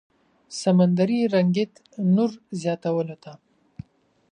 سمندري رنګت نور زياتولو ته